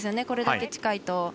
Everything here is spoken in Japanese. これだけ近いと。